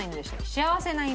幸せな犬。